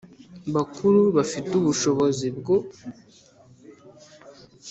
bakuru bafite ubushobozi bwo